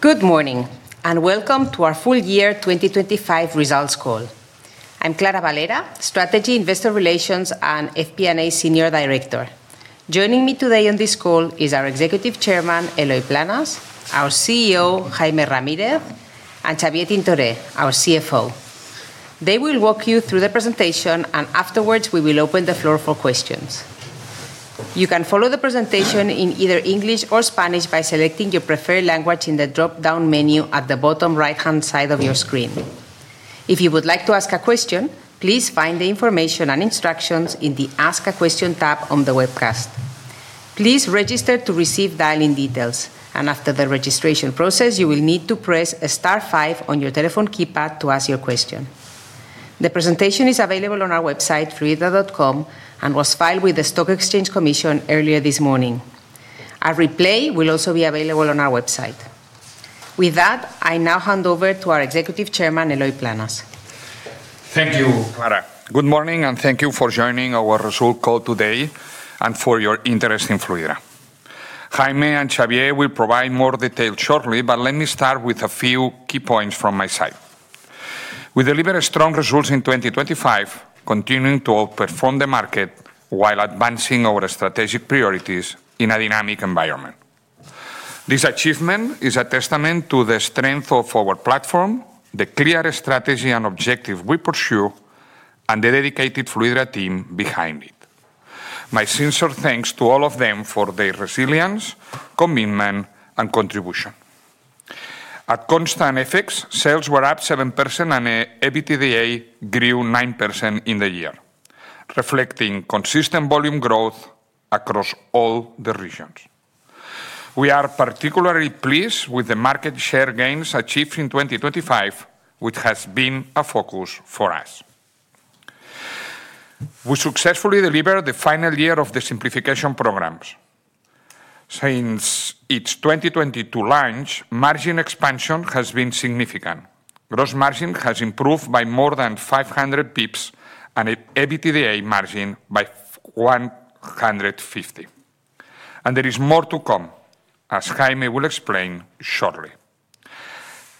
Good morning. Welcome to our full year 2025 Results Call. I'm Clara Valera, Strategy Investor Relations and FP&A Senior Director. Joining me today on this call is our Executive Chairman, Eloi Planes, our CEO, Jaime Ramírez, and Xavier Tintoré, our CFO. They will walk you through the presentation. Afterwards, we will open the floor for questions. You can follow the presentation in either English or Spanish by selecting your preferred language in the drop-down menu at the bottom right-hand side of your screen. If you would like to ask a question, please find the information and instructions in the Ask a Question tab on the webcast. Please register to receive dial-in details. After the registration process, you will need to press star five on your telephone keypad to ask your question. The presentation is available on our website, fluidra.com, and was filed with the Stock Exchange Commission earlier this morning. A replay will also be available on our website. With that, I now hand over to our Executive Chairman, Eloi Planes. Thank you, Clara. Good morning. Thank you for joining our result call today and for your interest in Fluidra. Jaime and Xavier will provide more detail shortly. Let me start with a few key points from my side. We delivered strong results in 2025, continuing to outperform the market while advancing our strategic priorities in a dynamic environment. This achievement is a testament to the strength of our platform, the clear strategy and objective we pursue, and the dedicated Fluidra team behind it. My sincere thanks to all of them for their resilience, commitment, and contribution. At constant FX, sales were up 7%. EBITDA grew 9% in the year, reflecting consistent volume growth across all the regions. We are particularly pleased with the market share gains achieved in 2025, which has been a focus for us. We successfully delivered the final year of the simplification programs. Since its 2022 launch, margin expansion has been significant. Gross margin has improved by more than 500 basis points and EBITDA margin by 150 basis points. There is more to come, as Jaime will explain shortly.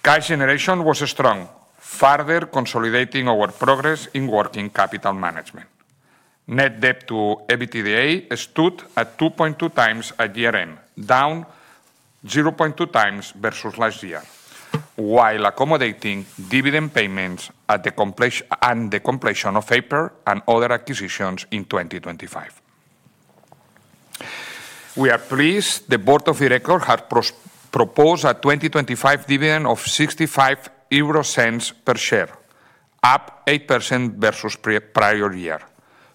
Cash generation was strong, further consolidating our progress in working capital management. Net debt to EBITDA stood at 2.2x at year-end, down 0.2x versus last year, while accommodating dividend payments and the completion of Aiper and other acquisitions in 2025. We are pleased the board of director has proposed a 2025 dividend of 0.65 per share, up 8% versus prior year,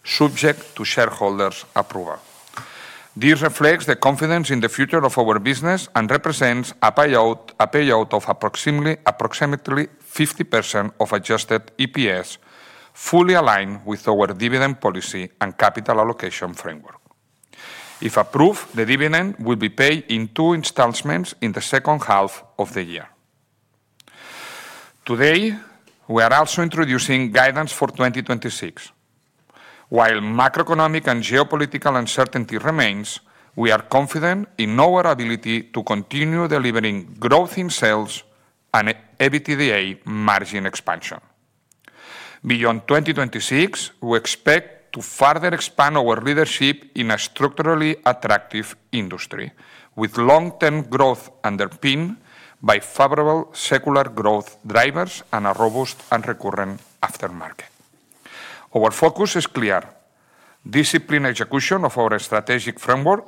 subject to shareholders' approval. This reflects the confidence in the future of our business and represents a payout of approximately 50% of Adjusted EPS, fully aligned with our dividend policy and capital allocation framework. If approved, the dividend will be paid in two installments in the second half of the year. Today, we are also introducing guidance for 2026. While macroeconomic and geopolitical uncertainty remains, we are confident in our ability to continue delivering growth in sales and EBITDA margin expansion. Beyond 2026, we expect to further expand our leadership in a structurally attractive industry, with long-term growth underpinned by favorable secular growth drivers and a robust and recurring aftermarket. Our focus is clear: disciplined execution of our strategic framework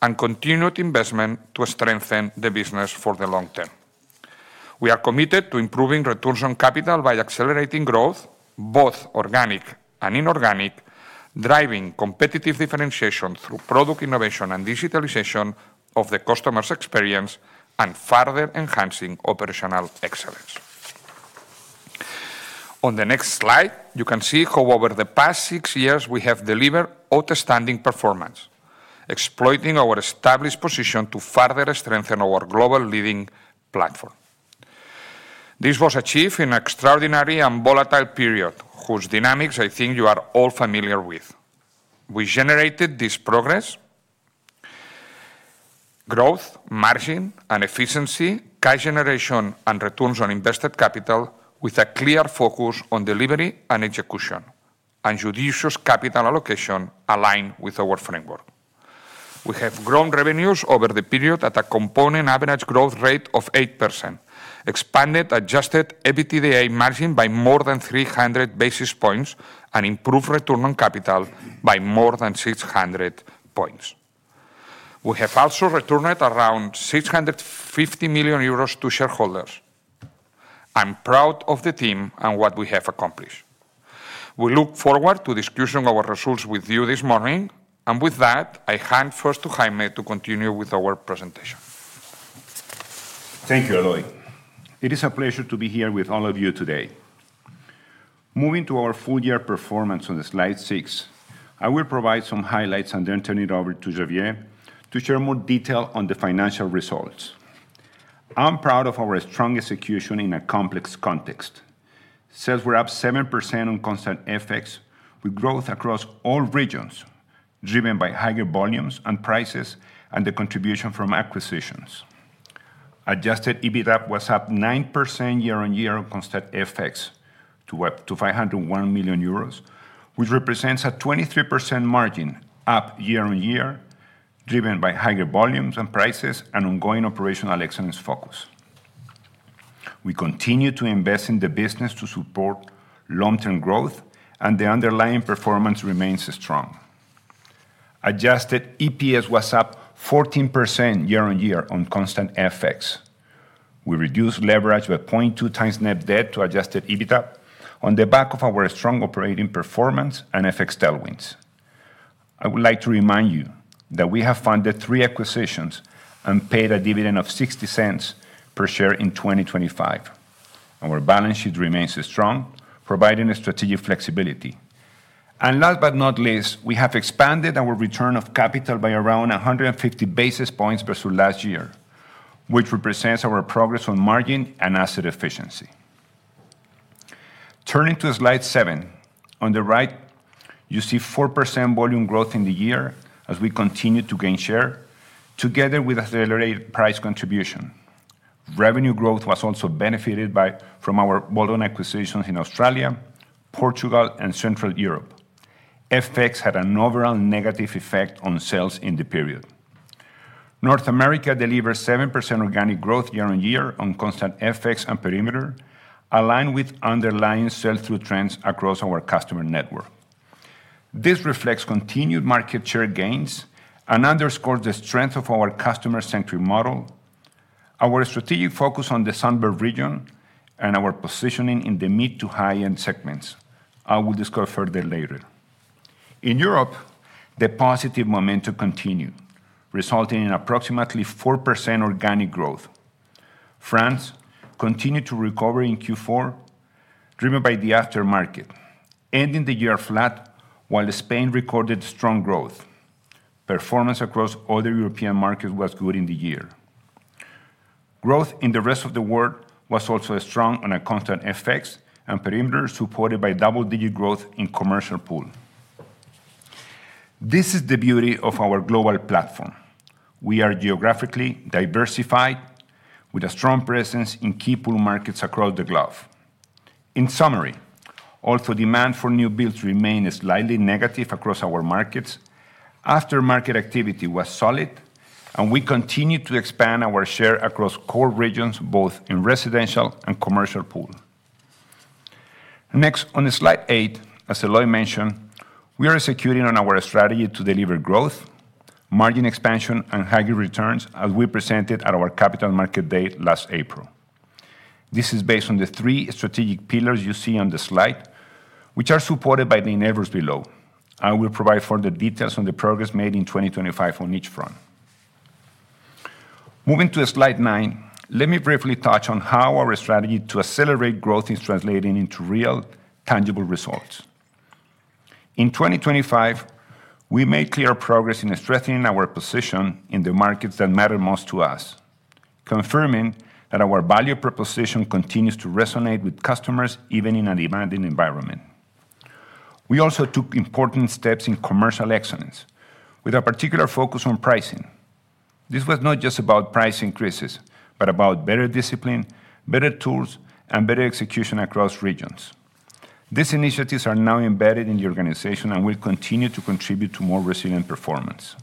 and continued investment to strengthen the business for the long term. We are committed to improving returns on capital by accelerating growth, both organic and inorganic, driving competitive differentiation through product innovation and digitalization of the customer's experience, and further enhancing operational excellence. On the next slide, you can see how over the past six years, we have delivered outstanding performance, exploiting our established position to further strengthen our global leading platform. This was achieved in extraordinary and volatile period, whose dynamics I think you are all familiar with. We generated this progress, growth, margin, and efficiency, cash generation, and returns on invested capital with a clear focus on delivery and execution, and judicious capital allocation aligned with our framework. We have grown revenues over the period at a compound average growth rate of 8%, expanded, Adjusted EBITDA margin by more than 300 basis points, and improved return on capital by more than 600 points. We have also returned around 650 million euros to shareholders. I'm proud of the team and what we have accomplished. We look forward to discussing our results with you this morning. With that, I hand first to Jaime to continue with our presentation. Thank you, Eloi. It is a pleasure to be here with all of you today. Moving to our full year performance on slide 6, I will provide some highlights and then turn it over to Xavier to share more detail on the financial results. I'm proud of our strong execution in a complex context. Sales were up 7% on constant FX, with growth across all regions, driven by higher volumes and prices, and the contribution from acquisitions. Adjusted EBITDA was up 9% year-on-year on constant FX, to what? To 501 million euros, which represents a 23% margin, up year-on-year, driven by higher volumes and prices, and ongoing operational excellence focus. We continue to invest in the business to support long-term growth. The underlying performance remains strong. Adjusted EPS was up 14% year-on-year on constant FX. We reduced leverage by 0.2 times net debt to Adjusted EBITDA on the back of our strong operating performance and FX tailwinds. I would like to remind you that we have funded 3 acquisitions and paid a dividend of 0.60 per share in 2025, and our balance sheet remains strong, providing strategic flexibility. Last but not least, we have expanded our return of capital by around 150 basis points versus last year, which represents our progress on margin and asset efficiency. Turning to slide 7. On the right, you see 4% volume growth in the year as we continue to gain share, together with accelerated price contribution. Revenue growth was also benefited from our bold acquisitions in Australia, Portugal, and Central Europe. FX had an overall negative effect on sales in the period. North America delivered 7% organic growth year-on-year on constant FX and perimeter, aligned with underlying sell-through trends across our customer network. This reflects continued market share gains and underscores the strength of our customer-centric model, our strategic focus on the Sunbelt region, and our positioning in the mid to high-end segments. I will discuss further later. In Europe, the positive momentum continued, resulting in approximately 4% organic growth. France continued to recover in Q4, driven by the aftermarket, ending the year flat, while Spain recorded strong growth. Performance across other European markets was good in the year. Growth in the rest of the world was also strong on a constant FX and perimeter, supported by double-digit growth in commercial pool. This is the beauty of our global platform. We are geographically diversified, with a strong presence in key pool markets across the globe. In summary, although demand for new builds remained slightly negative across our markets, aftermarket activity was solid, and we continued to expand our share across core regions, both in residential and commercial pool. Next, on slide 8, as Eloi mentioned, we are executing on our strategy to deliver growth, margin expansion, and higher returns, as we presented at our Capital Markets Day last April. This is based on the three strategic pillars you see on the slide, which are supported by the enablers below. I will provide further details on the progress made in 2025 on each front. Moving to slide 9, let me briefly touch on how our strategy to accelerate growth is translating into real, tangible results. In 2025, we made clear progress in strengthening our position in the markets that matter most to us, confirming that our value proposition continues to resonate with customers, even in a demanding environment. We also took important steps in commercial excellence, with a particular focus on pricing. This was not just about price increases, but about better discipline, better tools, and better execution across regions. These initiatives are now embedded in the organization and will continue to contribute to more resilient performance.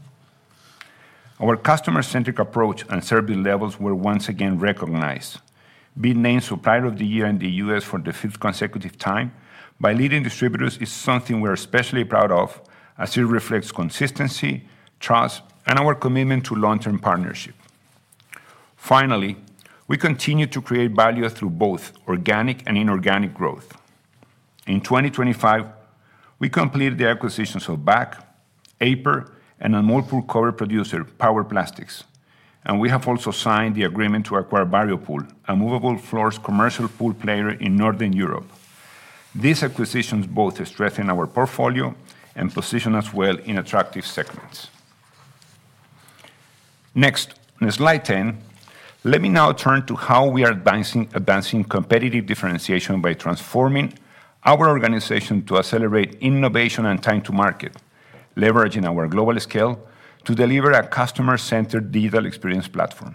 Our customer-centric approach and service levels were once again recognized. Being named Supplier of the Year in the US for the fifth consecutive time by leading distributors is something we're especially proud of, as it reflects consistency, trust, and our commitment to long-term partnership. We continue to create value through both organic and inorganic growth. In 2025, we completed the acquisitions of BAC, Aiper, and a multiple cover producer, PowerPlastics. We have also signed the agreement to acquire Variopool, a movable floors commercial pool player in Northern Europe. These acquisitions both strengthen our portfolio and position us well in attractive segments. On slide 10, let me now turn to how we are advancing competitive differentiation by transforming our organization to accelerate innovation and time to market, leveraging our global scale to deliver a customer-centered digital experience platform.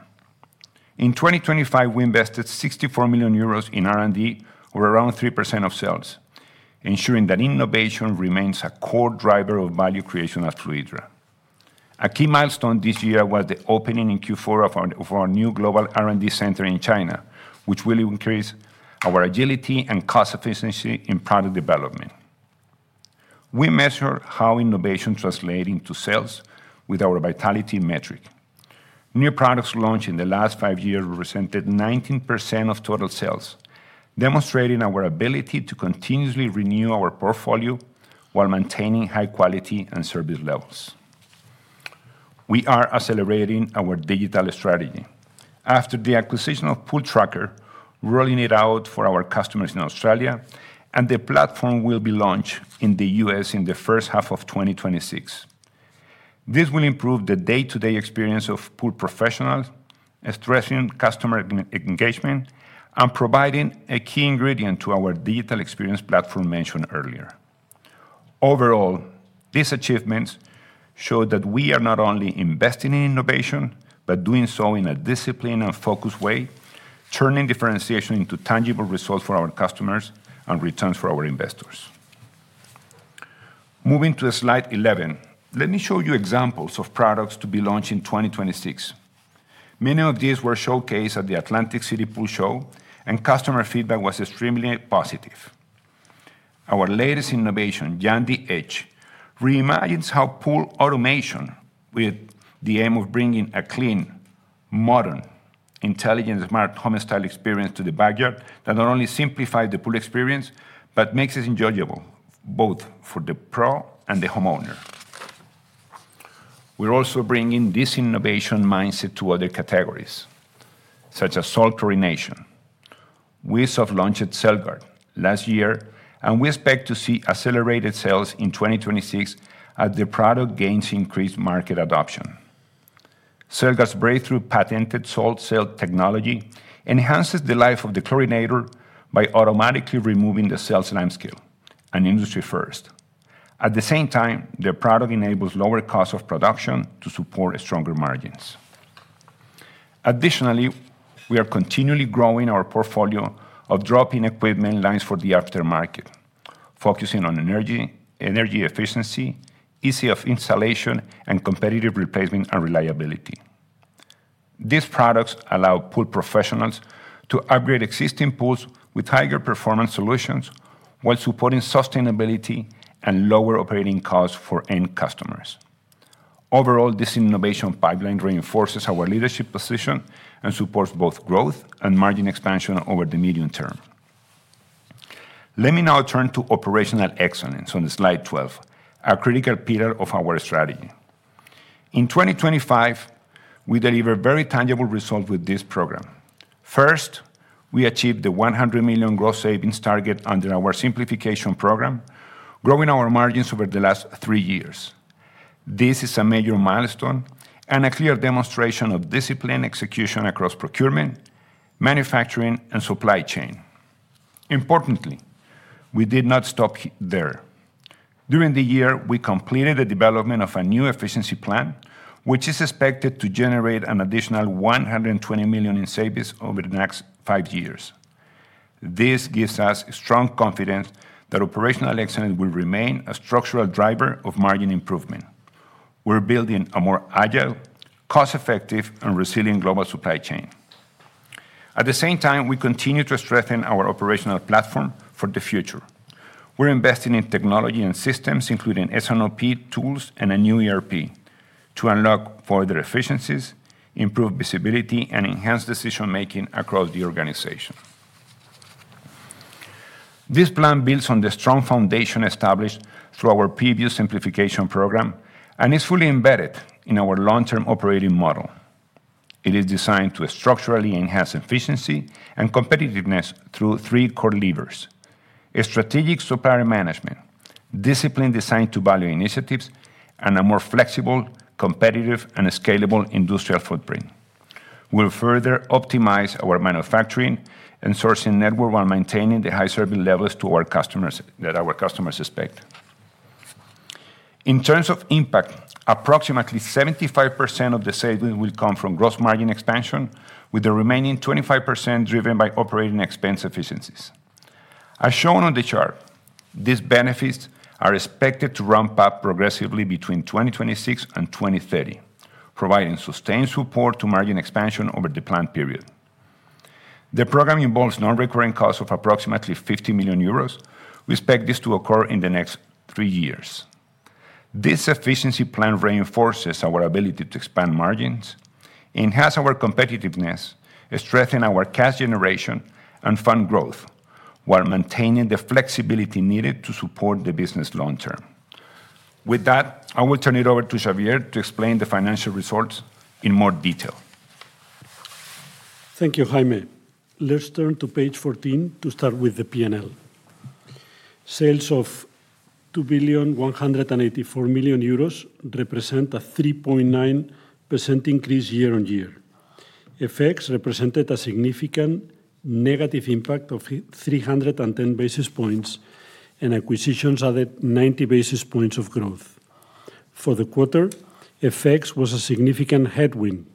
In 2025, we invested 64 million euros in R&D, or around 3% of sales, ensuring that innovation remains a core driver of value creation at Fluidra. A key milestone this year was the opening in Q4 of our new global R&D center in China, which will increase our agility and cost efficiency in product development. We measure how innovation translating to sales with our Vitality Index. New products launched in the last five years represented 19% of total sales, demonstrating our ability to continuously renew our portfolio while maintaining high quality and service levels. We are accelerating our digital strategy. After the acquisition of Pooltrackr, rolling it out for our customers in Australia, and the platform will be launched in the U.S. in the first half of 2026. This will improve the day-to-day experience of pool professionals, strengthening customer engagement, and providing a key ingredient to our digital experience platform mentioned earlier. Overall, these achievements show that we are not only investing in innovation, but doing so in a disciplined and focused way, turning differentiation into tangible results for our customers and returns for our investors. Moving to slide 11, let me show you examples of products to be launched in 2026. Many of these were showcased at the Atlantic City Pool Show, and customer feedback was extremely positive. Our latest innovation, Jandy Edge, reimagines how pool automation, with the aim of bringing a clean, modern, intelligent, smart, home-style experience to the backyard, that not only simplifies the pool experience, but makes it enjoyable both for the pro and the homeowner. We're also bringing this innovation mindset to other categories, such as salt chlorination. We soft launched CellGuard last year, and we expect to see accelerated sales in 2026 as the product gains increased market adoption. CellGuard's breakthrough patented salt cell technology enhances the life of the chlorinator by automatically removing the cell's limescale, an industry first. At the same time, the product enables lower cost of production to support stronger margins. Additionally, we are continually growing our portfolio of drop-in equipment lines for the aftermarket, focusing on energy efficiency, ease of installation, and competitive replacement and reliability. These products allow pool professionals to upgrade existing pools with higher performance solutions while supporting sustainability and lower operating costs for end customers. Overall, this innovation pipeline reinforces our leadership position and supports both growth and margin expansion over the medium term. Let me now turn to operational excellence on slide 12, a critical pillar of our strategy. In 2025, we delivered very tangible results with this program. First, we achieved the 100 million gross savings target under our simplification program, growing our margins over the last 3 years. This is a major milestone and a clear demonstration of disciplined execution across procurement, manufacturing, and supply chain. Importantly, we did not stop there. During the year, we completed the development of a new efficiency plan, which is expected to generate an additional 120 million in savings over the next 5 years. This gives us strong confidence that operational excellence will remain a structural driver of margin improvement. We're building a more agile, cost-effective, and resilient global supply chain. At the same time, we continue to strengthen our operational platform for the future. We're investing in technology and systems, including S&OP tools and a new ERP, to unlock further efficiencies, improve visibility, and enhance decision-making across the organization. This plan builds on the strong foundation established through our previous simplification program and is fully embedded in our long-term operating model. It is designed to structurally enhance efficiency and competitiveness through 3 core levers: a strategic supplier management, discipline designed to value initiatives, and a more flexible, competitive, and scalable industrial footprint. We'll further optimize our manufacturing and sourcing network while maintaining the high service levels to our customers, that our customers expect. In terms of impact, approximately 75% of the savings will come from gross margin expansion, with the remaining 25% driven by operating expense efficiencies. As shown on the chart, these benefits are expected to ramp up progressively between 2026 and 2030, providing sustained support to margin expansion over the planned period. The program involves non-recurring costs of approximately 50 million euros. We expect this to occur in the next three years. This efficiency plan reinforces our ability to expand margins, enhance our competitiveness, strengthen our cash generation, and fund growth while maintaining the flexibility needed to support the business long term. With that, I will turn it over to Xavier to explain the financial results in more detail. Thank you, Jaime. Let's turn to page 14 to start with the PNL. Sales of 2,184 million euros represent a 3.9% increase year-on-year. FX represented a significant negative impact of 310 basis points. Acquisitions added 90 basis points of growth. For the quarter, FX was a significant headwind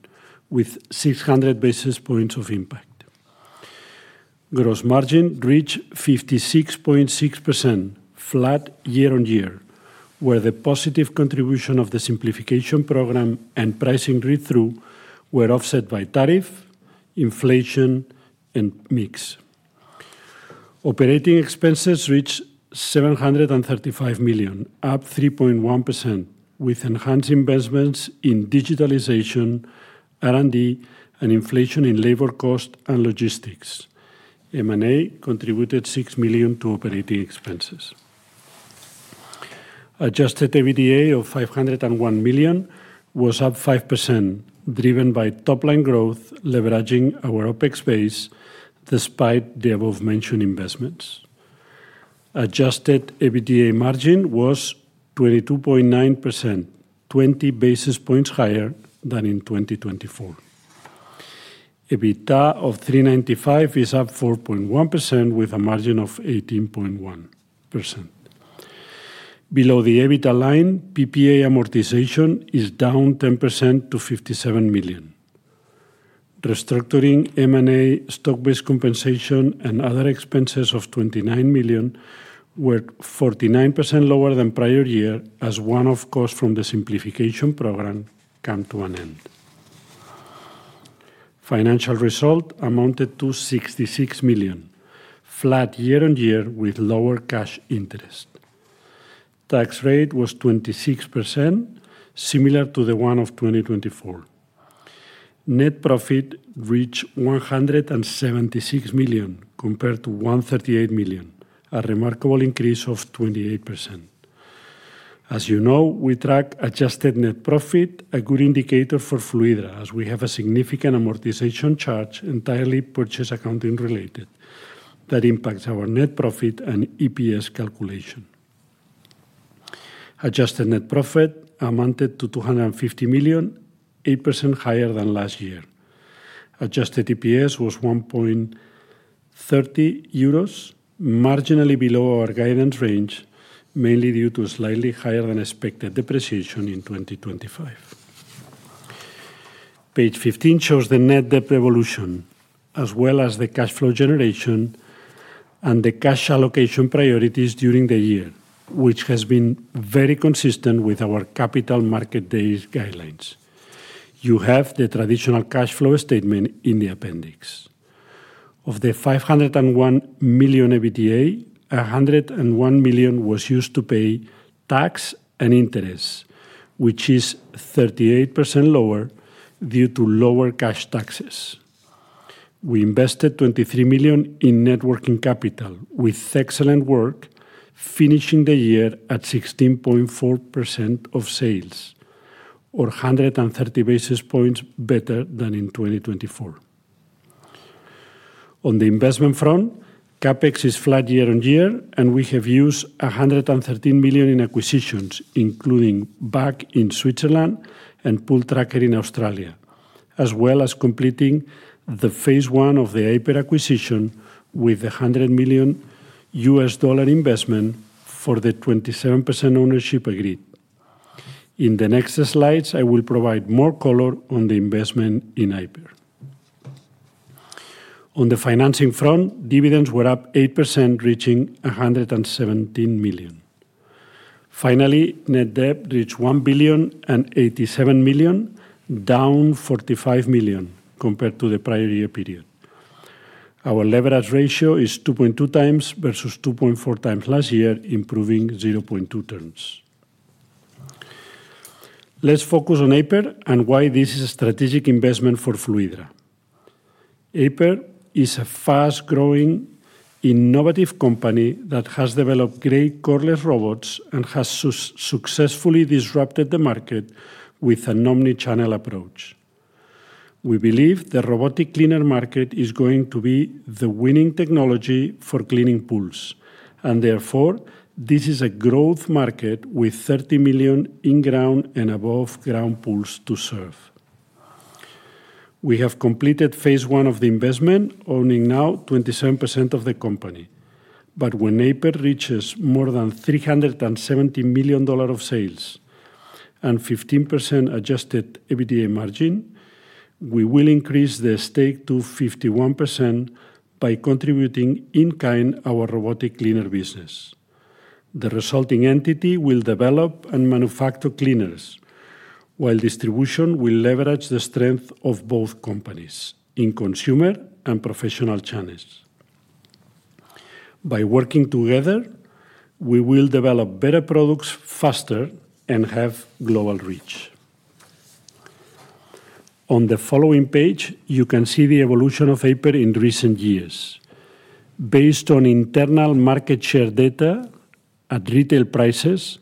with 600 basis points of impact. Gross margin reached 56.6%, flat year-on-year, where the positive contribution of the simplification program and pricing read-through were offset by tariff, inflation, and mix. Operating expenses reached 735 million, up 3.1%, with enhanced investments in digitalization, R&D, and inflation in labor cost and logistics. M&A contributed 6 million to operating expenses. Adjusted EBITDA of 501 million was up 5%, driven by top-line growth, leveraging our OpEx base despite the above-mentioned investments. Adjusted EBITDA margin was 22.9%, 20 basis points higher than in 2024. EBITDA of 395 million is up 4.1%, with a margin of 18.1%. Below the EBITDA line, PPA amortization is down 10% to 57 million. Restructuring M&A stock-based compensation and other expenses of 29 million were 49% lower than prior year, as one-off costs from the simplification program come to an end. Financial result amounted to 66 million, flat year-over-year, with lower cash interest. Tax rate was 26%, similar to the one of 2024. Net profit reached 176 million, compared to 138 million, a remarkable increase of 28%. As you know, we track adjusted net profit, a good indicator for Fluidra, as we have a significant amortization charge, entirely purchase accounting related, that impacts our net profit and EPS calculation. Adjusted net profit amounted to 250 million, 8% higher than last year. Adjusted EPS was 1.30 euros, marginally below our guidance range, mainly due to slightly higher than expected depreciation in 2025. Page 15 shows the net debt evolution, as well as the cash flow generation and the cash allocation priorities during the year, which has been very consistent with our Capital Markets Days guidelines. You have the traditional cash flow statement in the appendix. Of the 501 million EBITDA, 101 million was used to pay tax and interest, which is 38% lower due to lower cash taxes. We invested 23 million in net working capital, with excellent work, finishing the year at 16.4% of sales, or 130 basis points better than in 2024. On the investment front, CapEx is flat year-over-year, and we have used 113 million in acquisitions, including BAC in Switzerland and Pooltrackr in Australia, as well as completing the Phase I of the Aiper acquisition with a $100 million U.S. dollar investment for the 27% ownership agreed. In the next slides, I will provide more color on the investment in Aiper. On the financing front, dividends were up 8%, reaching 117 million. Finally, net debt reached 1,087 million, down 45 million compared to the prior year period. Our leverage ratio is 2.2 times versus 2.4 times last year, improving 0.2 terms. Let's focus on Aiper and why this is a strategic investment for Fluidra. Aiper is a fast-growing, innovative company that has developed great cordless robots and has successfully disrupted the market with an omni-channel approach. We believe the robotic cleaner market is going to be the winning technology for cleaning pools, and therefore, this is a growth market with 30 million in-ground and above-ground pools to serve. We have completed Phase I of the investment, owning now 27% of the company. When Aiper reaches more than $370 million of sales and 15% Adjusted EBITDA margin, we will increase the stake to 51% by contributing in kind our robotic cleaner business. The resulting entity will develop and manufacture cleaners, while distribution will leverage the strength of both companies in consumer and professional channels. By working together, we will develop better products faster and have global reach. On the following page, you can see the evolution of Aiper in recent years. Based on internal market share data at retail prices,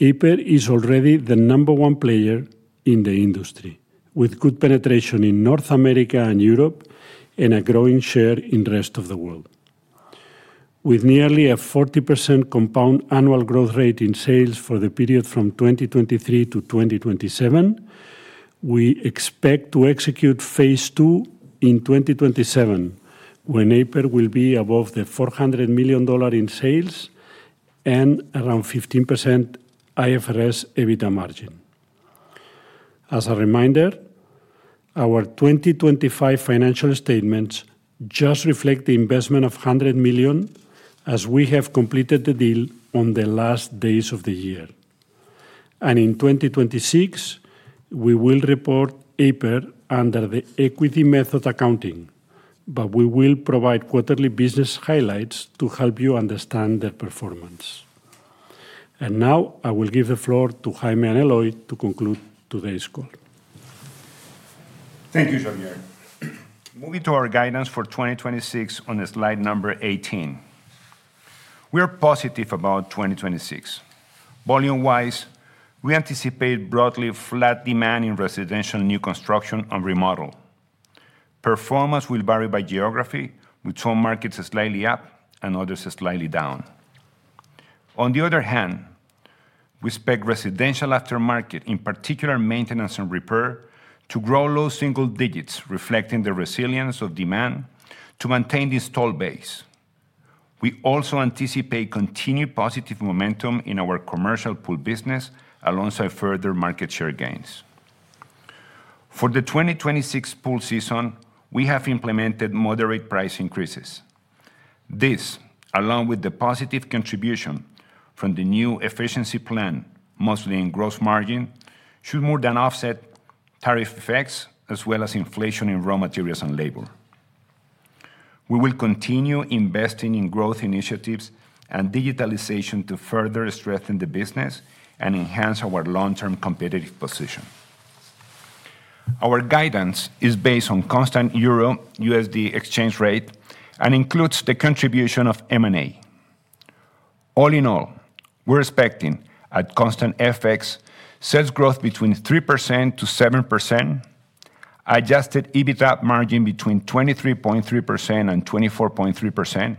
Aiper is already the number one player in the industry, with good penetration in North America and Europe, and a growing share in the rest of the world. With nearly a 40% compound annual growth rate in sales for the period from 2023 to 2027, we expect to execute Phase II in 2027, when Aiper will be above the $400 million in sales and around 15% IFRS EBITDA margin. As a reminder, our 2025 financial statements just reflect the investment of 100 million, as we have completed the deal on the last days of the year. In 2026, we will report Aiper under the equity method accounting, but we will provide quarterly business highlights to help you understand their performance. Now, I will give the floor to Jaime and Eloi to conclude today's call. Thank you, Xavier. Moving to our guidance for 2026 on slide number 18. We are positive about 2026. Volume-wise, we anticipate broadly flat demand in residential new construction and remodel. Performance will vary by geography, with some markets slightly up and others slightly down. On the other hand, we expect residential aftermarket, in particular maintenance and repair, to grow low single digits, reflecting the resilience of demand to maintain the install base. We also anticipate continued positive momentum in our commercial pool business, alongside further market share gains. For the 2026 pool season, we have implemented moderate price increases. This, along with the positive contribution from the new efficiency plan, mostly in gross margin, should more than offset tariff effects as well as inflation in raw materials and labor. We will continue investing in growth initiatives and digitalization to further strengthen the business and enhance our long-term competitive position. Our guidance is based on constant Euro-USD exchange rate and includes the contribution of M&A. All in all, we're expecting, at constant FX, sales growth between 3%-7%, adjusted EBITDA margin between 23.3% and 24.3%,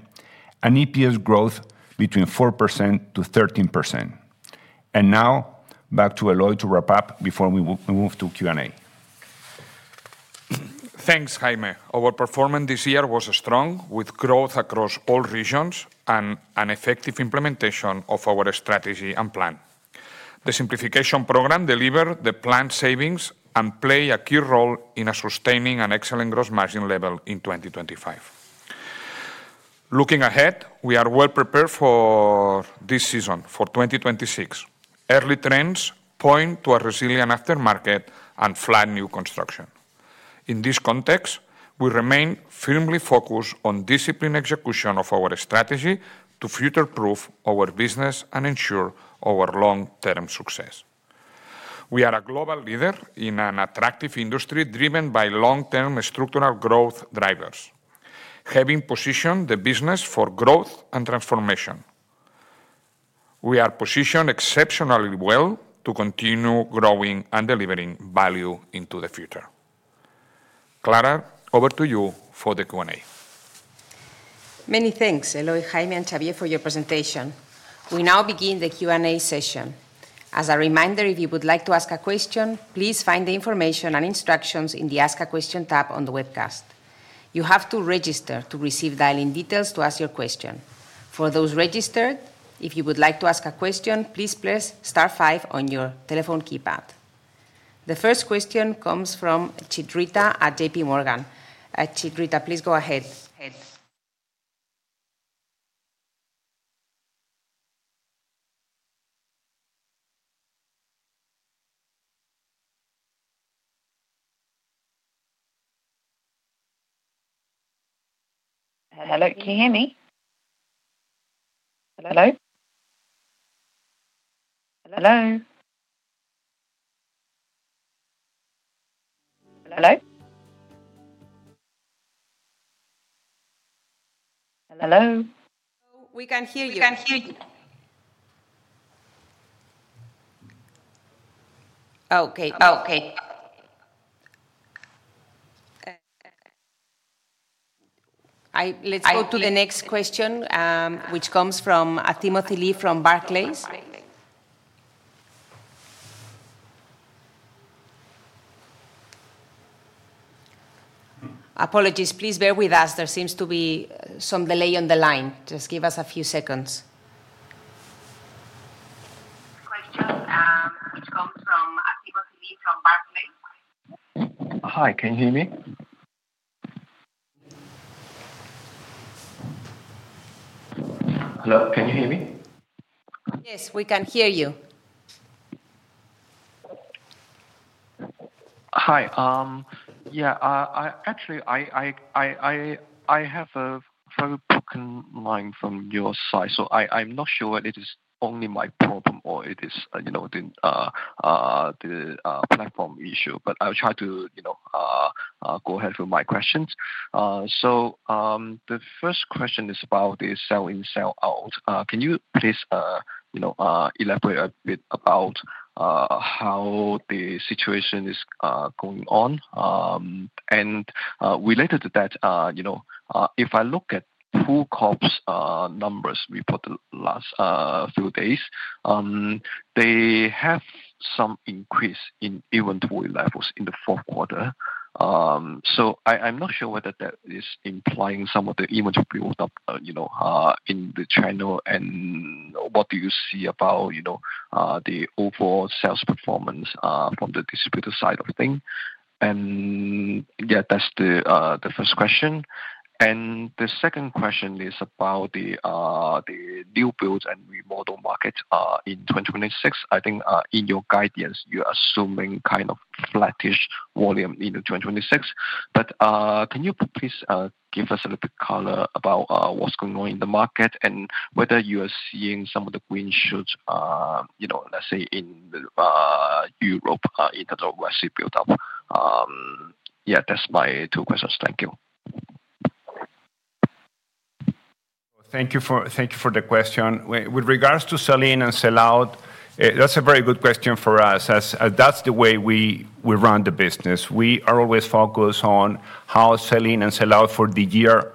and EPS growth between 4%-13%. Now, back to Eloi to wrap up before we move to Q&A. Thanks, Jaime. Our performance this year was strong, with growth across all regions and an effective implementation of our strategy and plan. The simplification program delivered the planned savings and play a key role in sustaining an excellent gross margin level in 2025. Looking ahead, we are well prepared for this season, for 2026. Early trends point to a resilient aftermarket and flat new construction. In this context, we remain firmly focused on disciplined execution of our strategy to future-proof our business and ensure our long-term success. We are a global leader in an attractive industry, driven by long-term structural growth drivers, having positioned the business for growth and transformation. We are positioned exceptionally well to continue growing and delivering value into the future. Clara, over to you for the Q&A. Many thanks, Eloi, Jaime, and Xavier, for your presentation. We now begin the Q&A session. A reminder, if you would like to ask a question, please find the information and instructions in the Ask a Question tab on the webcast. You have to register to receive dial-in details to ask your question. Those registered, if you would like to ask a question, please press star 5 on your telephone keypad. The first question comes from Chitrita at JPMorgan. Chitrita, please go ahead. Hello, can you hear me? Hello? We can hear you. Okay. Okay. let's go to the next question, which comes from Timothy Lee from Barclays. Apologies. Please bear with us. There seems to be some delay on the line. Just give us a few seconds. Question, which comes from Timothy Lee from Barclays. Hi, can you hear me? Hello, can you hear me? Yes, we can hear you. Hi. I actually have a very broken line from your side, so I'm not sure whether it is only my problem or it is, you know, the platform issue. I'll try to, you know, go ahead with my questions. The first question is about the sell-in, sell-out. Can you please, you know, elaborate a bit about how the situation is going on? Related to that, you know, if I look at PoolCorp numbers we put the last few days, they have some increase in inventory levels in the fourth quarter. I'm not sure whether that is implying some of the inventory build-up, you know, in the channel. What do you see about, you know, the overall sales performance from the distributor side of things? Yeah, that's the first question. The second question is about the new builds and remodel market in 2026. I think in your guidance, you're assuming kind of flattish volume in 2026. Can you please give us a little color about what's going on in the market and whether you are seeing some of the green shoots, you know, let's say in Europe, in terms of recipe build-up? Yeah, that's my two questions. Thank you. Thank you for the question. With regards to sell-in and sell-out, that's a very good question for us, as that's the way we run the business. We are always focused on how sell-in and sell-out for the year,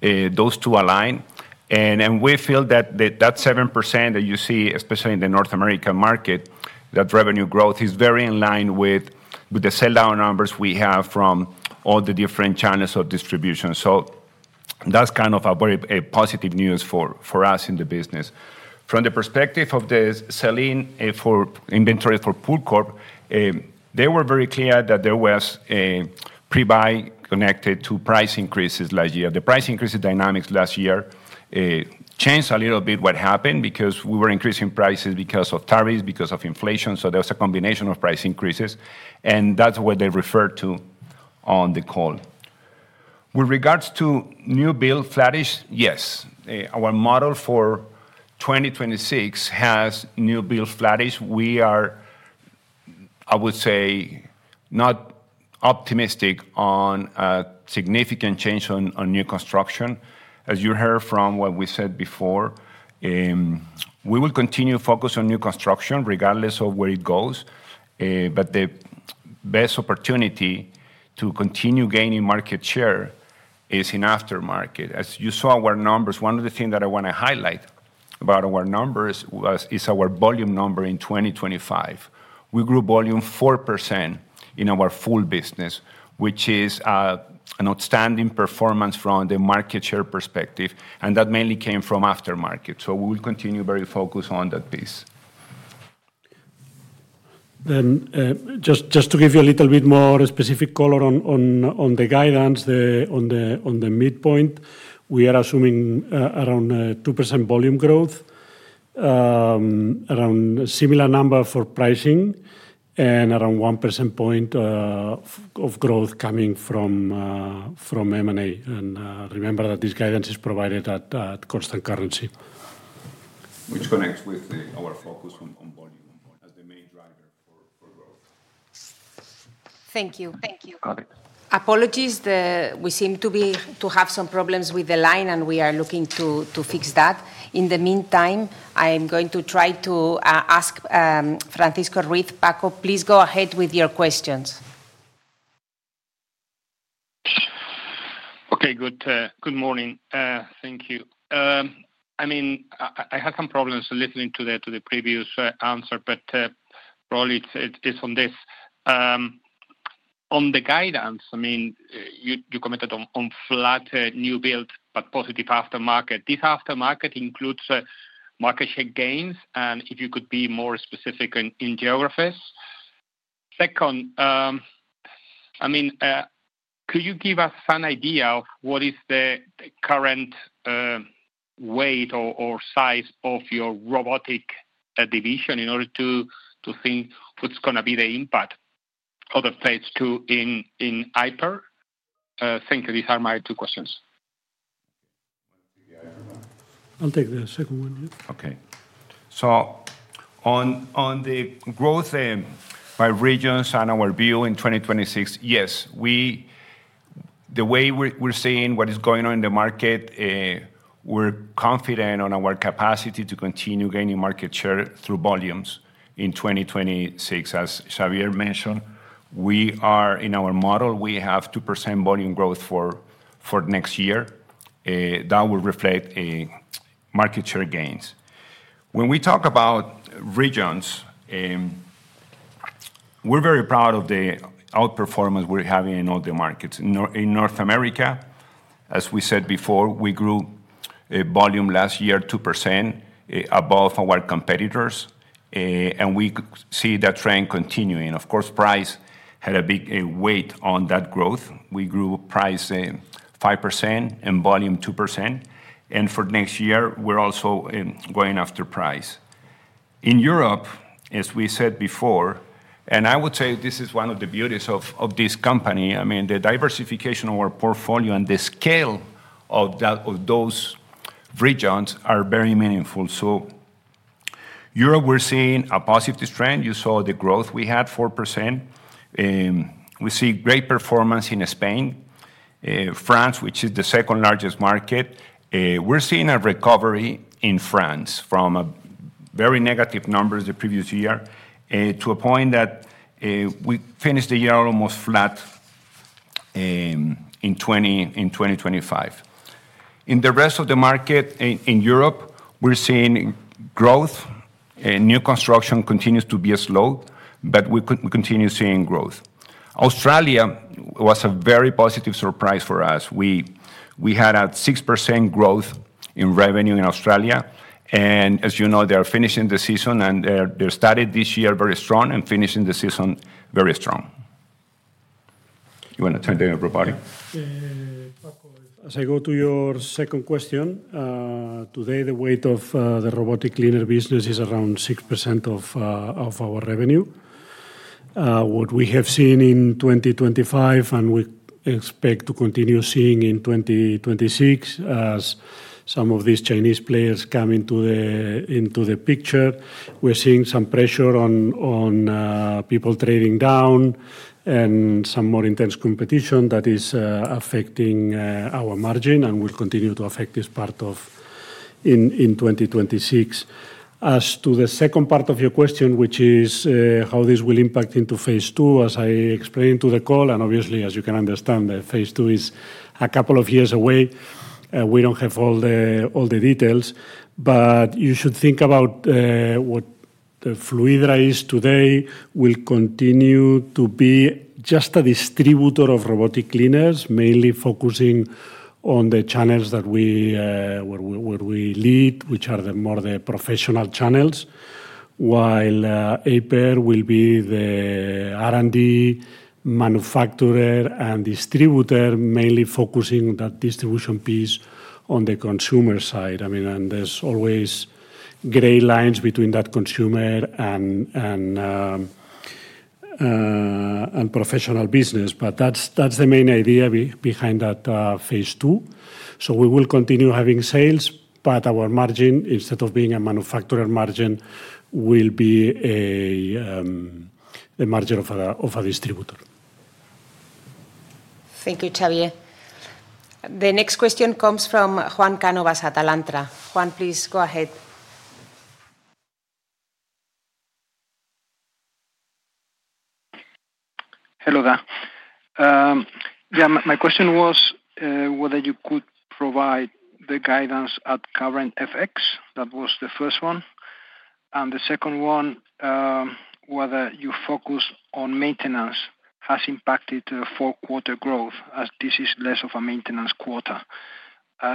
those two align. We feel that 7% that you see, especially in the North American market, that revenue growth is very in line with the sell-out numbers we have from all the different channels of distribution. That's kind of a very positive news for us in the business. From the perspective of the selling, for inventory for Pool Corporation, they were very clear that there was a pre-buy connected to price increases last year. The price increase dynamics last year changed a little bit what happened, because we were increasing prices because of tariffs, because of inflation, so there was a combination of price increases, and that's what they referred to on the call. With regards to new build flattish, yes, our model for 2026 has new build flattish. We are, I would say, not optimistic on a significant change on new construction. As you heard from what we said before, we will continue to focus on new construction regardless of where it goes, but the best opportunity to continue gaining market share is in aftermarket. As you saw our numbers, one of the things that I wanna highlight about our numbers is our volume number in 2025. We grew volume 4% in our full business, which is an outstanding performance from the market share perspective, and that mainly came from aftermarket, so we will continue very focused on that piece. Just to give you a little bit more specific color on the guidance, on the midpoint, we are assuming around 2% volume growth, around a similar number for pricing, and around 1 percentage point of growth coming from M&A. Remember that this guidance is provided at constant currency. Connects with our focus on volume as the main driver for growth. Thank you. Thank you. Okay. Apologies, we seem to have some problems with the line, and we are looking to fix that. In the meantime, I am going to try to ask Francisco Riquel, please go ahead with your questions. Okay, good morning. Thank you. I mean, I had some problems listening to the previous answer, but probably it's on this. On the guidance, I mean, you commented on flat new build, but positive aftermarket. This aftermarket includes market share gains, and if you could be more specific in geographies? Second, I mean, could you give us an idea of what is the current weight or size of your robotic division in order to think what's gonna be the impact of the Phase II in Aiper? Thank you. These are my two questions. I'll take the second one, yeah. Okay. On the growth by regions and our view in 2026, yes, the way we're seeing what is going on in the market, we're confident on our capacity to continue gaining market share through volumes in 2026. As Xavier mentioned, in our model, we have 2% volume growth for next year that will reflect market share gains. When we talk about regions, we're very proud of the outperformance we're having in all the markets. In North America, as we said before, we grew a volume last year, 2% above our competitors, and we see that trend continuing. Of course, price had a big weight on that growth. We grew price 5% and volume 2%, and for next year, we're also going after price. In Europe, as we said before, I would say this is one of the beauties of this company, I mean, the diversification of our portfolio and the scale of that, of those regions are very meaningful. Europe, we're seeing a positive trend. You saw the growth, we had 4%. We see great performance in Spain, France, which is the second largest market. We're seeing a recovery in France from a very negative numbers the previous year, to a point that we finished the year almost flat in 2025. In the rest of the market, in Europe, we're seeing growth and new construction continues to be slow, but we continue seeing growth. Australia was a very positive surprise for us. We had a 6% growth in revenue in Australia, and as you know, they are finishing the season, and they started this year very strong and finishing the season very strong. You wanna turn to robotic? Paco, as I go to your second question, today, the weight of the robotic cleaner business is around 6% of our revenue. What we have seen in 2025, and we expect to continue seeing in 2026, as some of these Chinese players come into the picture, we're seeing some pressure on people trading down and some more intense competition that is affecting our margin and will continue to affect in 2026. As to the second part of your question, which is how this will impact into Phase II, as I explained to the call, and obviously as you can understand, the Phase II is a couple of years away. We don't have all the details, but you should think about what the Fluidra is today, will continue to be just a distributor of robotic cleaners, mainly focusing on the channels that we, where we lead, which are the more the professional channels. Aiper will be the R&D manufacturer and distributor, mainly focusing that distribution piece on the consumer side. I mean, there's always gray lines between that consumer and professional business, but that's the main idea behind that Phase II. We will continue having sales, but our margin, instead of being a manufacturer margin, will be a margin of a distributor. Thank you, Xavier. The next question comes from Juan Cánovas at Alantra. Juan, please go ahead. Hello there. Yeah, my question was, whether you could provide the guidance at current FX. That was the first one. The second one, whether your focus on maintenance has impacted the fourth quarter growth, as this is less of a maintenance quarter.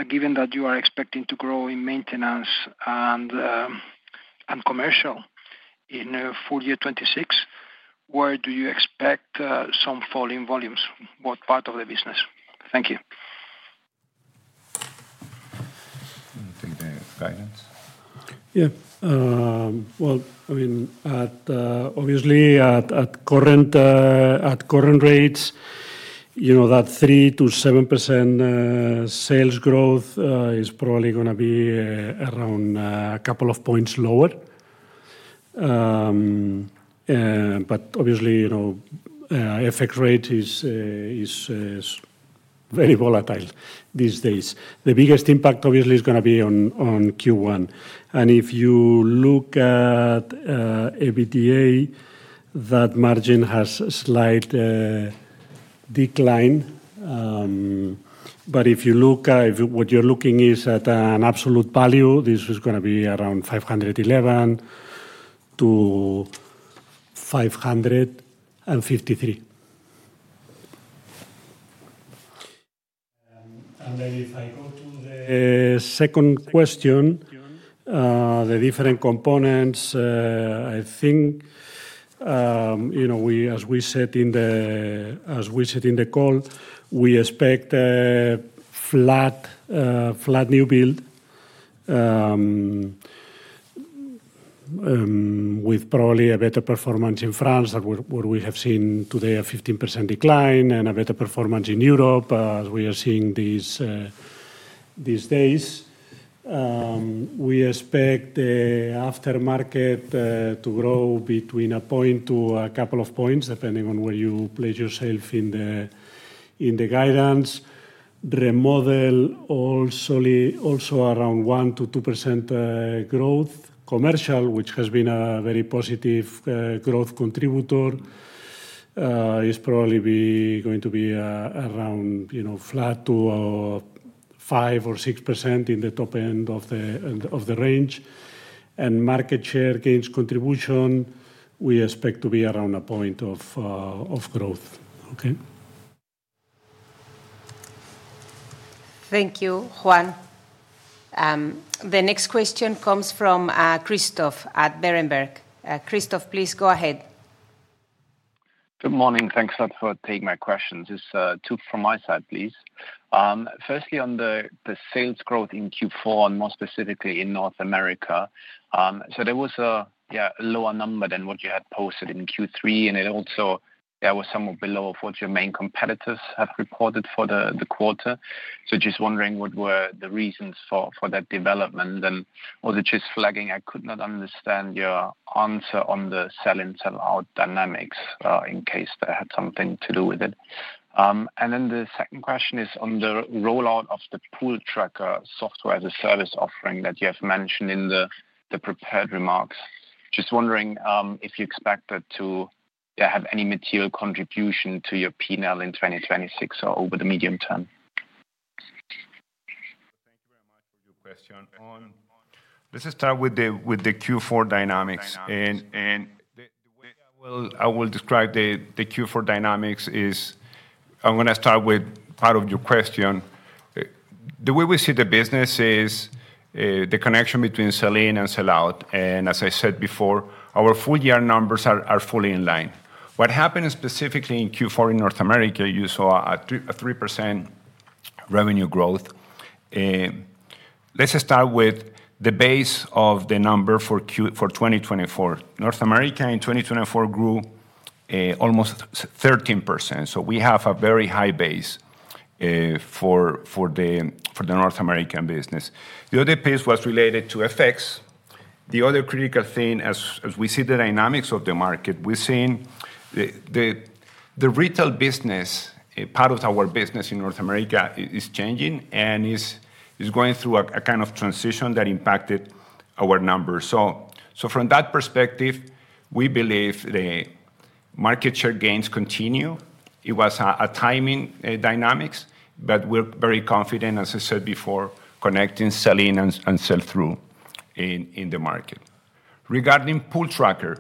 Given that you are expecting to grow in maintenance and commercial in full year 2026, where do you expect some fall in volumes? What part of the business? Thank you. I think the guidance. Yeah. Well, I mean, at obviously, at current, at current rates, you know that 3%-7% sales growth is probably gonna be around a couple of points lower. Obviously, you know, FX rate is very volatile these days. The biggest impact obviously is gonna be on Q1. If you look at EBITDA, that margin has a slight decline. If what you're looking is at an absolute value, this is gonna be around 511-553. Then if I go to the second question, the different components, you know, as we said in the call, we expect a flat new build. With probably a better performance in France than what we have seen today, a 15% decline and a better performance in Europe, as we are seeing these days. We expect the aftermarket to grow between a point to a couple of points, depending on where you place yourself in the guidance. Remodel also around 1%-2% growth. Commercial, which has been a very positive growth contributor, is probably going to be around, you know, flat to 5%-6% in the top end of the range. Market share gains contribution, we expect to be around a point of growth. Okay? Thank you, Juan. The next question comes from Christoph at Berenberg. Christoph, please go ahead. Good morning. Thanks a lot for taking my questions. Just two from my side, please. Firstly, on the sales growth in Q4, and more specifically in North America, there was a lower number than what you had posted in Q3, and it also there was somewhat below of what your main competitors have reported for the quarter. Just wondering, what were the reasons for that development? Was it just flagging? I could not understand your answer on the sell-in, sell-out dynamics, in case that had something to do with it. The second question is on the rollout of the Pooltrackr Software as a Service offering that you have mentioned in the prepared remarks. Just wondering, if you expect that to have any material contribution to your P&L in 2026 or over the medium term? Thank you very much for your question. Let's start with the Q4 dynamics. The way I will describe the Q4 dynamics is I'm gonna start with part of your question. The way we see the business is the connection between sell-in and sell-out. As I said before, our full year numbers are fully in line. What happened specifically in Q4 in North America, you saw a 3% revenue growth. Let's just start with the base of the number for 2024. North America in 2024 grew almost 13%, so we have a very high base for the North American business. The other piece was related to FX. The other critical thing as we see the dynamics of the market, we're seeing the retail business, a part of our business in North America, is changing and is going through a kind of transition that impacted our numbers. From that perspective, we believe the market share gains continue. It was a timing dynamics, but we're very confident, as I said before, connecting, selling and sell-through in the market. Regarding Pooltrackr,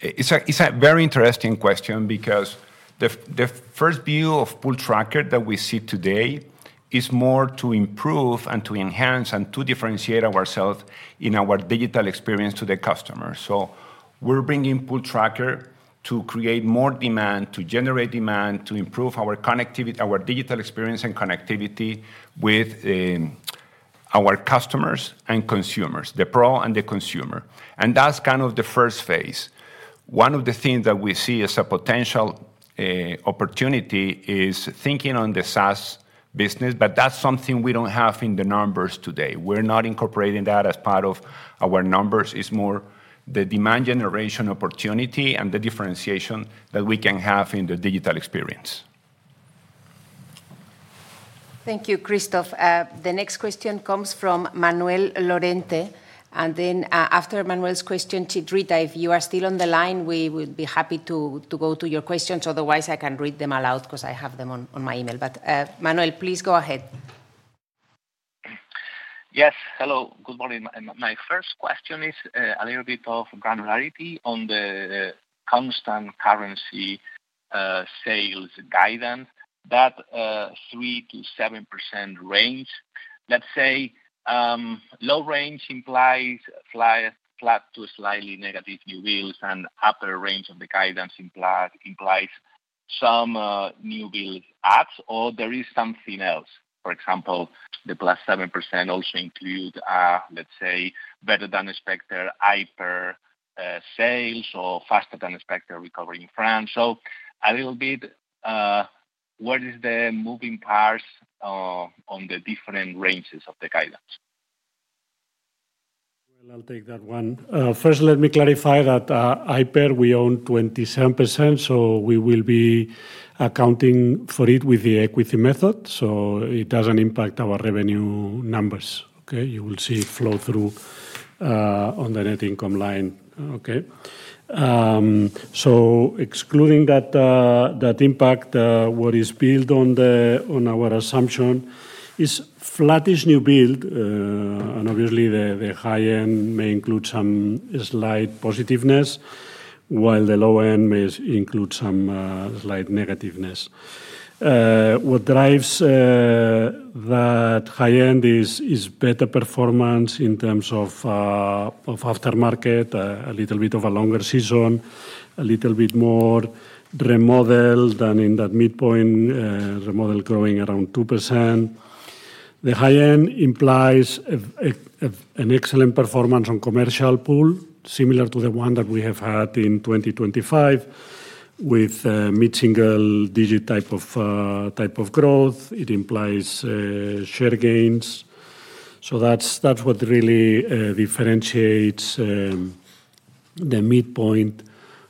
it's a very interesting question because the first view of Pooltrackr that we see today is more to improve and to enhance and to differentiate ourselves in our digital experience to the customer. We're bringing Pooltrackr to create more demand, to generate demand, to improve our connectivity, our digital experience and connectivity with, our customers and consumers, the pro and the consumer. That's kind of the first phase. One of the things that we see as a potential opportunity is thinking on the SaaS business. That's something we don't have in the numbers today. We're not incorporating that as part of our numbers. It's more the demand generation opportunity and the differentiation that we can have in the digital experience. Thank you, Christoph. The next question comes from Manuel Lorente, and then, after Manuel's question, Chitrita, if you are still on the line, we would be happy to go to your questions. Otherwise, I can read them aloud because I have them on my email. Manuel, please go ahead. Yes. Hello, good morning. My first question is a little bit of granularity on the constant currency sales guidance. That 3%-7% range, let's say, low range implies slight flat to slightly negative new builds, and upper range of the guidance implies some new build adds or there is something else. For example, the +7% also include, let's say, better-than-expected Aiper sales or faster-than-expected recovery in France. A little bit, what is the moving parts on the different ranges of the guidance? Well, I'll take that one. First, let me clarify that Aiper, we own 27%, so we will be accounting for it with the equity method, so it doesn't impact our revenue numbers, okay? You will see it flow through on the net income line, okay? Excluding that impact, what is built on our assumption is flattish new build. Obviously, the high end may include some slight positiveness, while the low end may include some slight negativeness. What drives that high end is better performance in terms of aftermarket, a little bit of a longer season, a little bit more remodel than in that midpoint, remodel growing around 2%. The high end implies an excellent performance on commercial pool, similar to the one that we have had in 2025, with mid-single-digit type of type of growth. It implies share gains. That's what really differentiates the midpoint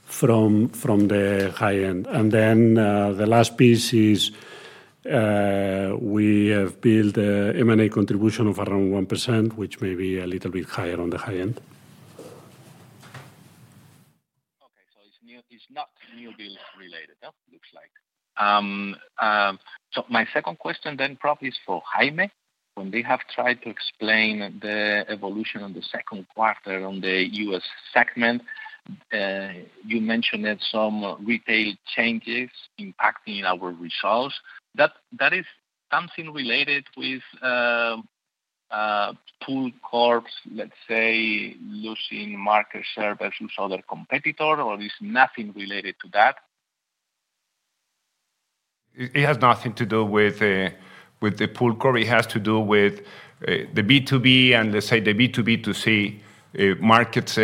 from the high end. The last piece is we have built a M&A contribution of around 1%, which may be a little bit higher on the high end. Okay, it's not new build related, huh? Looks like. My second question then probably is for Jaime. When we have tried to explain the evolution on the second quarter on the U.S. segment, you mentioned that some retail changes impacting our results. That is something related with Pool Corporation, let's say, losing market share versus other competitor, or is nothing related to that? It has nothing to do with the Pool Corporation. It has to do with the B2B and, let's say, the B2B2C markets.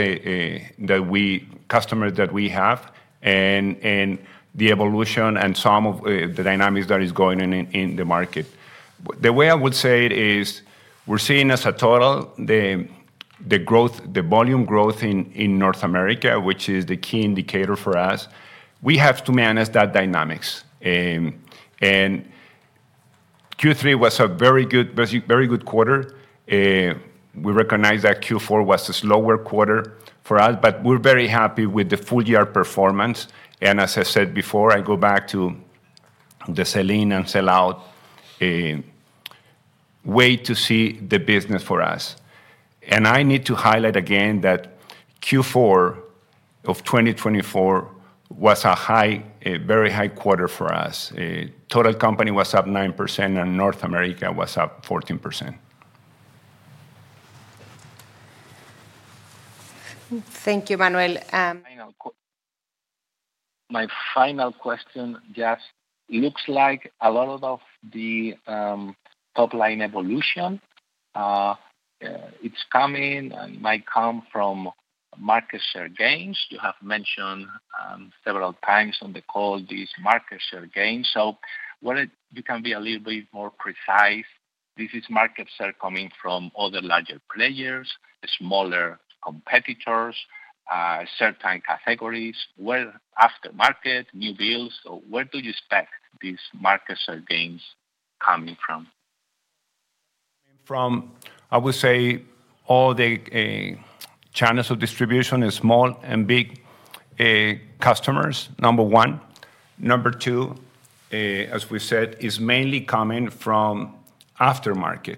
Customers that we have and the evolution and some of the dynamics that is going on in the market. The way I would say it is, we're seeing as a total, the growth, the volume growth in North America, which is the key indicator for us, we have to manage that dynamics. Q3 was a very good quarter. We recognize that Q4 was a slower quarter for us, but we're very happy with the full year performance. As I said before, I go back to the sell-in and sell-out, a way to see the business for us. I need to highlight again that Q4 of 2024 was a high, a very high quarter for us. Total company was up 9%, and North America was up 14%. Thank you, Manuel. My final question, just looks like a lot of the top-line evolution, it's coming and might come. Market share gains. You have mentioned, several times on the call these market share gains. Where it you can be a little bit more precise, this is market share coming from other larger players, smaller competitors, certain categories, where aftermarket, new builds, or where do you expect these market share gains coming from? From, I would say, all the channels of distribution is small and big customers, number one. Number two, as we said, is mainly coming from aftermarket.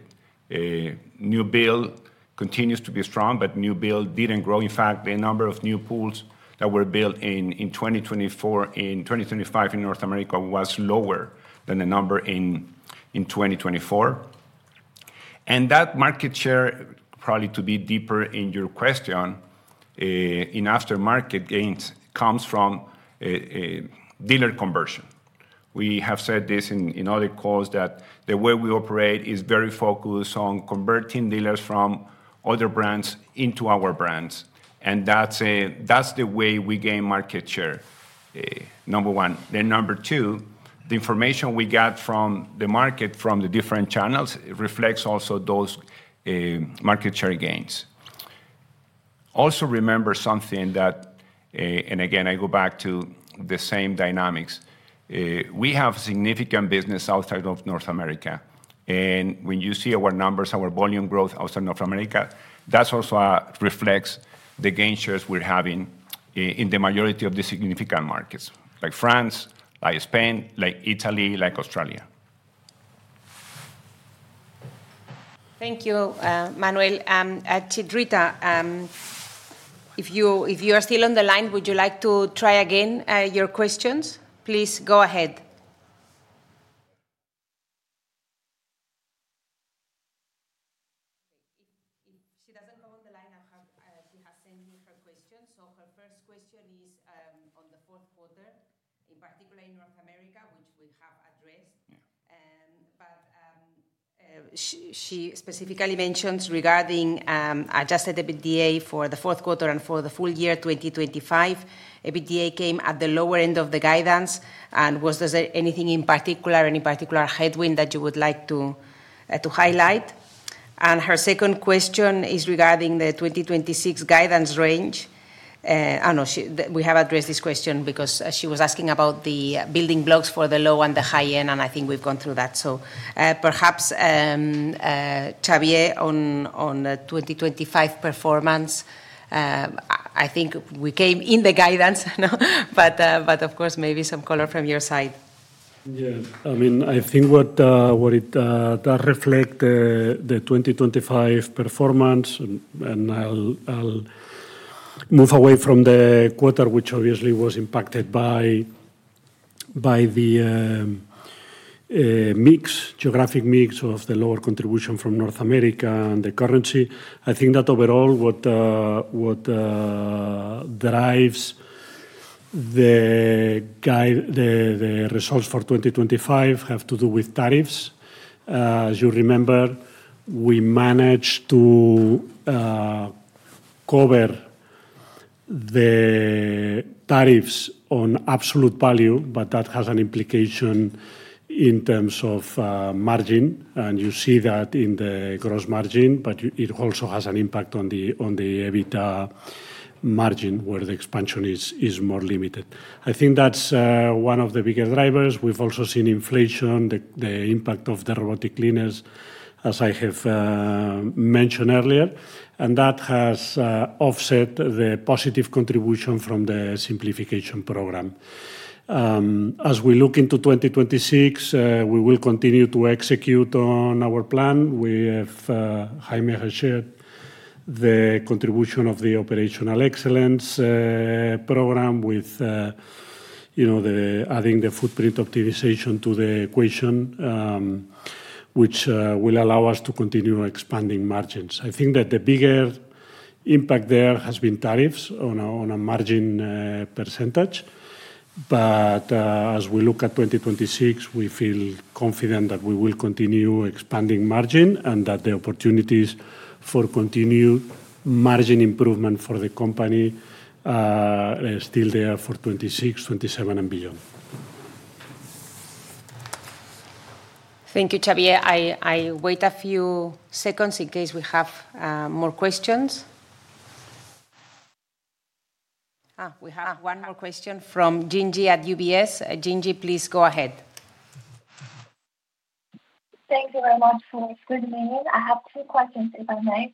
New build continues to be strong, but new build didn't grow. In fact, the number of new pools that were built in 2025 in North America was lower than the number in 2024. That market share, probably to be deeper in your question, in aftermarket gains, comes from a dealer conversion. We have said this in other calls, that the way we operate is very focused on converting dealers from other brands into our brands, and that's the way we gain market share, number one. Number two, the information we got from the market, from the different channels, it reflects also those market share gains. Also, remember something that. Again, I go back to the same dynamics. We have significant business outside of North America, and when you see our numbers, our volume growth outside North America, that's also reflects the gain shares we're having in the majority of the significant markets, like France, like Spain, like Italy, like Australia. Thank you, Manuel. Chitrita, if you are still on the line, would you like to try again your questions? Please go ahead. If she doesn't go on the line, she has sent me her question. Her first question is on the fourth quarter, in particular in North America, which we have addressed. Yeah. She specifically mentions regarding Adjusted EBITDA for the fourth quarter and for the full year 2025. EBITDA came at the lower end of the guidance. Was there anything in particular, any particular headwind that you would like to highlight? Her second question is regarding the 2026 guidance range. We have addressed this question because she was asking about the building blocks for the low and the high end, and I think we've gone through that. Perhaps Xavier Tintoré, on the 2025 performance, I think we came in the guidance, no? Of course, maybe some color from your side. Yeah. I mean, I think what it that reflect the 2025 performance, I'll move away from the quarter, which obviously was impacted by the mix, geographic mix of the lower contribution from North America and the currency. I think that overall, what drives the results for 2025 have to do with tariffs. As you remember, we managed to cover the tariffs on absolute value, but that has an implication in terms of margin, and you see that in the gross margin, but it also has an impact on the EBITDA margin, where the expansion is more limited. I think that's one of the bigger drivers. We've also seen inflation, the impact of the robotic cleaners, as I have mentioned earlier, and that has offset the positive contribution from the simplification program. As we look into 2026, we will continue to execute on our plan. Jaime has shared the contribution of the operational excellence program with, you know, the adding the footprint optimization to the equation, which will allow us to continue expanding margins. I think that the bigger impact there has been tariffs on a margin %. As we look at 2026, we feel confident that we will continue expanding margin, and that the opportunities for continued margin improvement for the company are still there for 26, 27, and beyond. Thank you, Xavier. I wait a few seconds in case we have more questions. We have one more question from Jingyi at UBS. Jingyi, please go ahead. Thank you very much. Good evening. I have two questions, if I may.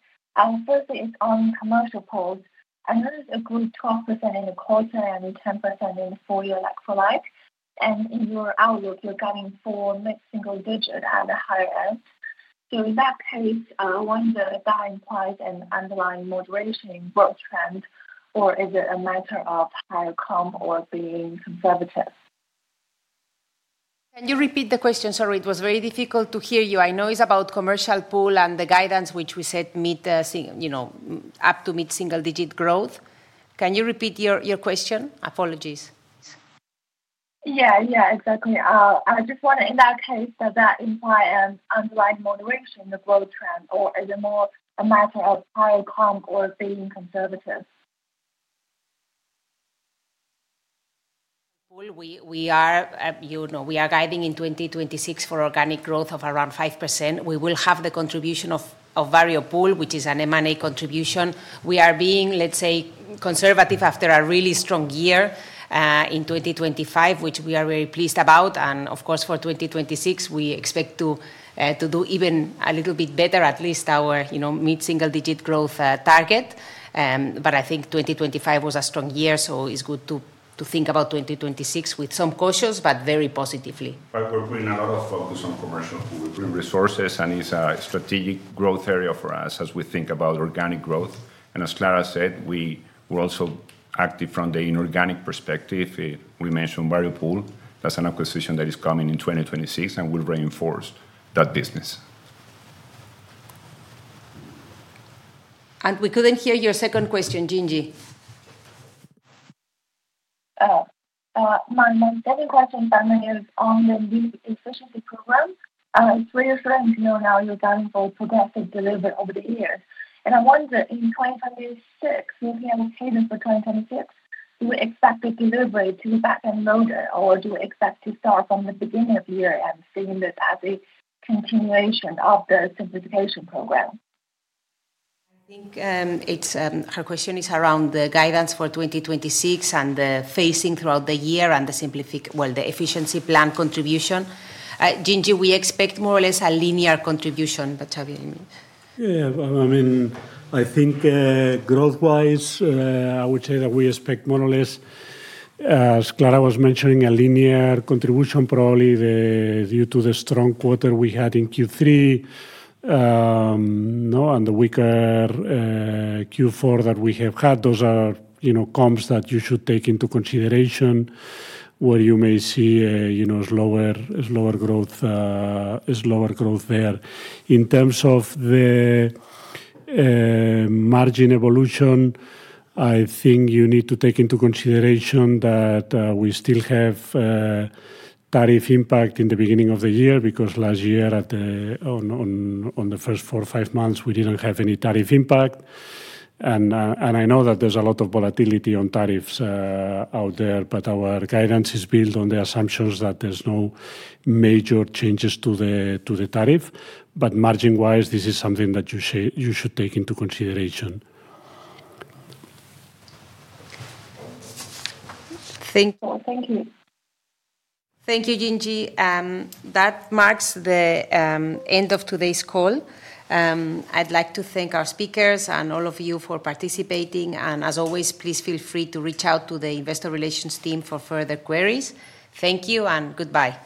First is on commercial pools. I know there's a good 12% in the quarter and 10% in full year like for life, and in your outlook, you're guiding for mid-single digit at the higher end. With that pace, I wonder that implies an underlying moderation in growth trend, or is it a matter of higher comp or being conservative? Can you repeat the question? Sorry, it was very difficult to hear you. I know it's about commercial pool and the guidance, which we said mid, you know, up to mid-single digit growth. Can you repeat your question? Apologies. Yeah, yeah, exactly. I just wonder, in that case, does that imply an underlying moderation in the growth trend, or is it more a matter of higher comp or being conservative? We are, you know, guiding in 2026 for organic growth of around 5%. We will have the contribution of Variopool, which is an M&A contribution. We are being, let's say, conservative after a really strong year in 2025, which we are very pleased about. Of course, for 2026, we expect to do even a little bit better, at least our, you know, mid-single-digit growth target. I think 2025 was a strong year, so it's good to think about 2026 with some cautions, but very positively. We're putting a lot of focus on commercial pool resources, and it's a strategic growth area for us as we think about organic growth. As Clara said, we're also active from the inorganic perspective. We mentioned Variopool. That's an acquisition that is coming in 2026, and will reinforce that business. We couldn't hear your second question, Jing Ji. My second question is on the new efficiency program. It's very clear to me now you're going for progressive delivery over the year. I wonder, in 2026, looking at the cadence for 2026, do you expect the delivery to be back-end loaded, or do you expect to start from the beginning of the year and seeing this as a continuation of the simplification program? I think, it's, her question is around the guidance for 2026 and the phasing throughout the year and well, the efficiency plan contribution. Jing Ji, we expect more or less a linear contribution. Javier, you may. Yeah. Well, I mean, I think, growth-wise, I would say that we expect more or less, as Clara was mentioning, a linear contribution, probably, due to the strong quarter we had in Q3, no, and the weaker Q4 that we have had. Those are, you know, comps that you should take into consideration, where you may see a, you know, slower growth there. In terms of the margin evolution, I think you need to take into consideration that we still have tariff impact in the beginning of the year, because last year, on the first four or five months, we didn't have any tariff impact. I know that there's a lot of volatility on tariffs out there, but our guidance is built on the assumptions that there's no major changes to the tariff. Margin-wise, this is something that you should take into consideration. Thank you. Thank you. Thank you, Jing Ji. That marks the end of today's call. I'd like to thank our speakers and all of you for participating, as always, please feel free to reach out to the investor relations team for further queries. Thank you and goodbye.